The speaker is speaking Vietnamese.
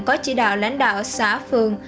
có chỉ đạo lãnh đạo xã phường